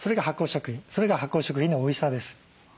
それが発酵食品のおいしさです。